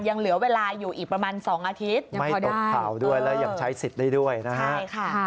ยังเหลือเวลาอยู่อีกประมาณ๒อาทิตย์ไม่ตกเผาด้วยและยังใช้สิทธิ์ได้ด้วยนะครับ